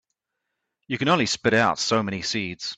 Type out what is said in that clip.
You can only spit out so many seeds.